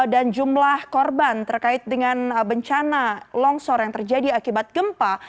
dan jumlah korban terkait dengan bencana longsor yang terjadi akibat gempa